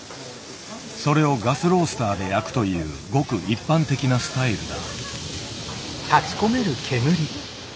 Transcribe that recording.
それをガスロースターで焼くというごく一般的なスタイルだ。